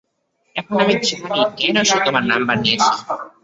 এখন আমি জানি কেন সে তোমার নম্বর নিয়েছে।